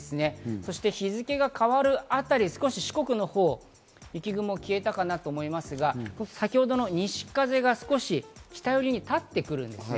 そして日付が変わるあたり、少し四国のほう、雪雲が消えたかなと思いますが、先ほどの西風が少し北寄りに立ってくるんですね。